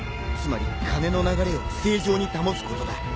つまり金の流れを正常に保つことだ。